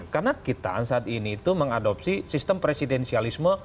karena kita saat ini itu mengadopsi sistem presidensialisme